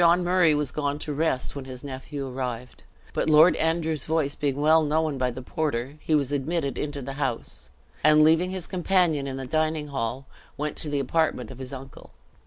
Sir John Murray was gone to rest when his nephew arrived, but Lord Andrew's voice being well known by the porter, he was admitted into the house; and leaving his companion in the dining hall, went to the apartment of his uncle.